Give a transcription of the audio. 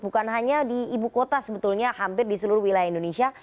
bukan hanya di ibu kota sebetulnya hampir di seluruh wilayah indonesia